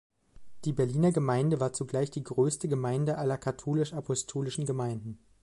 Die Berliner Gemeinde war zugleich die größte Gemeinde aller Katholisch-apostolischen Gemeinden.